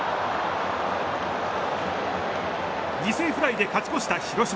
犠牲フライで勝ち越した広島。